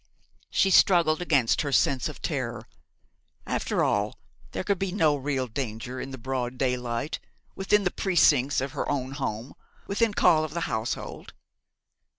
She struggled against her sense of terror. After all there could be no real danger, in the broad daylight, within the precincts of her own home, within call of the household.